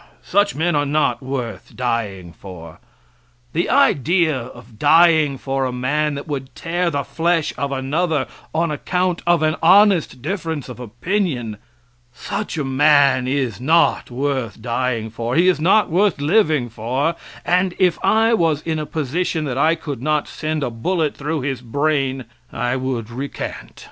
Such men are not worth dying for. The idea of dying for a man that would tear the flesh of another on account of an honest difference of opinion such a man is not worth dying for; he is not worth living for, and if I was in a position that I could not send a bullet through his brain, I would recant.